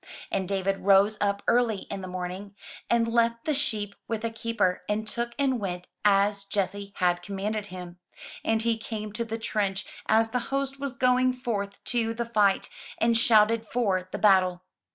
And David rose up early in the morning, and left the sheep with a keeper, and took, and went, as Jesse had commanded him; and he came to the trench as the host was going forth to the fight, and shouted for the battle.